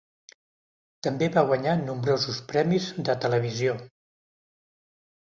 També va guanyar nombrosos premis de televisió.